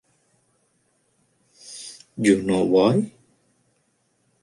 You know why?